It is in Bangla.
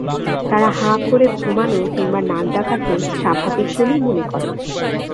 তাঁরা হাঁ করে ঘুমানো কিংবা নাক ডাকাকে স্বাভাবিক বলেই মনে করেন।